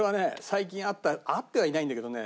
最近会った会ってはいないんだけどね